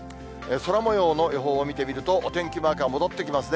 空もようの予報を見てみると、お天気マークが戻ってきますね。